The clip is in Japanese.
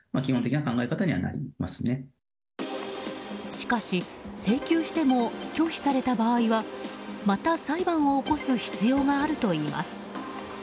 しかし請求しても拒否された場合はまた裁判を起こす必要があるといいます。